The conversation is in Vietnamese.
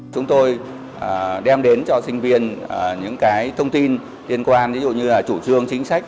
chúng tôi đem đến cho sinh viên những thông tin liên quan với chủ trương chính sách